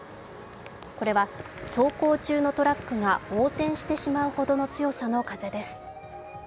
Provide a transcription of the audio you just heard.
これは走行中のトラックが横転してしまうほどの強さの風です。